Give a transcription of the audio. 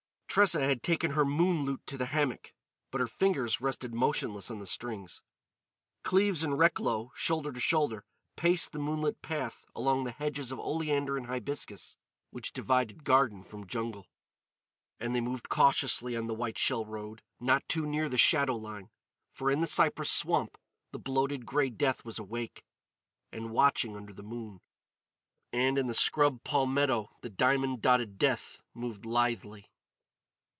Tressa had taken her moon lute to the hammock, but her fingers rested motionless on the strings. Cleves and Recklow, shoulder to shoulder, paced the moonlit path along the hedges of oleander and hibiscus which divided garden from jungle. And they moved cautiously on the white shell road, not too near the shadow line. For in the cypress swamp the bloated grey death was awake and watching under the moon; and in the scrub palmetto the diamond dotted death moved lithely.